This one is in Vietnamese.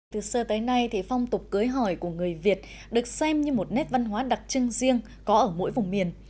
từ xưa tới nay thì phong tục cưới hỏi của người việt được xem như một nét văn hóa đặc trưng riêng có ở mỗi vùng miền